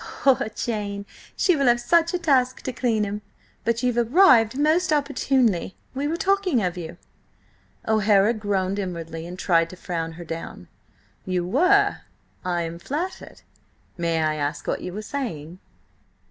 "Poor Jane! She will have such a task to clean him. But you've arrived most opportunely. We were talking of you." O'Hara groaned inwardly, and tried to frown her down. "You were? I am flattered! May I ask what you were saying?"